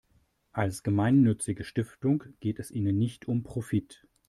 Als gemeinnützige Stiftung geht es ihnen nicht um Profit.